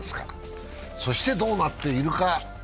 そして、どうなっているか？